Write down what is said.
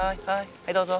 はいどうぞ。